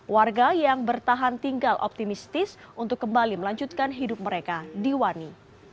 warga yang bertahan tinggal optimistis untuk kembali melanjutkan hidup mereka di wani